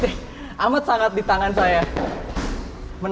nyamanpun sekarang aku tidak bisa nyamper